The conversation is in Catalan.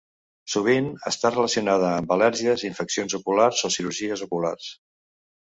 Sovint, està relacionada amb al·lèrgies, infeccions oculars o cirurgies oculars.